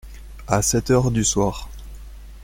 À sept heures du soir.